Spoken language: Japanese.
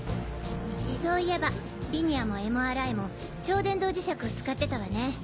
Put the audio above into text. そういえばリニアもＭＲＩも超電導磁石を使ってたわね。